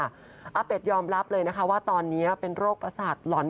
อาเป็ดยอมรับเลยนะคะว่าตอนนี้เป็นโรคประสาทหล่อน